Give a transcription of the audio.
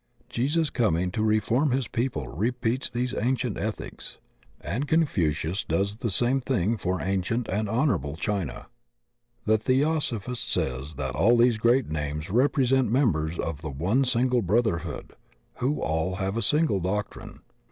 Jesus coming to reform his people repeats these ancient ethics, and Confucius does the same thing for ancient and honorable China. The Theosophist says that all these great names rep resent members of the one single brotherhood, who all have a single doctrine.